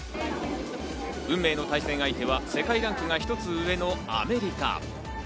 運命の対戦相手は世界ランクが１つ上のアメリカ。